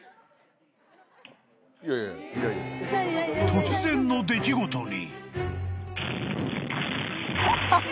［突然の出来事に］